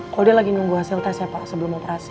kalo dia lagi nunggu hasil testnya pak sebelum operasi